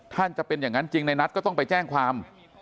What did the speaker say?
จะเป็นอย่างนั้นจริงในนัทก็ต้องไปแจ้งความ